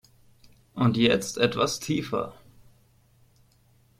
Und jetzt etwas tiefer!